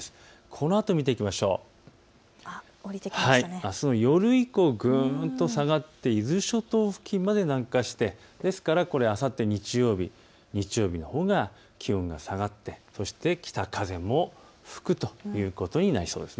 あすの夜以降、ぐんと下がって伊豆諸島付近まで南下してですから、あさって日曜日、日曜日のほうが気温が下がって、そして北風も吹くということになりそうです。